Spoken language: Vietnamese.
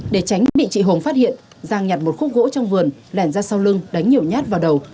để tránh bị chị hùng phát hiện giang nhặt một khúc gỗ trong vườn lẻn ra sau lưng đánh nhiều nhát vào đầu